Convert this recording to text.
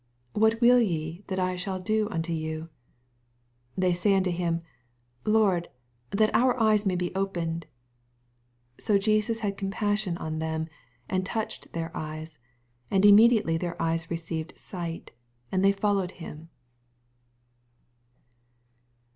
What will ye that I shall do unto you ? 83 They sav unto him, Lord, that our eyes may oe opened. 34 So Jesus had compassion on them^ and touched their eyes : and immediately their eyes received sight, and they followed him.